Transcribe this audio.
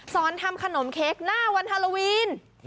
ทำขนมเค้กหน้าวันฮาโลวีน